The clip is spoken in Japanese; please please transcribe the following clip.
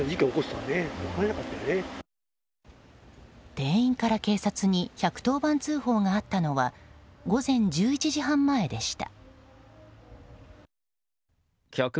店員から警察に１１０番通報があったのは午前１１時半前でした。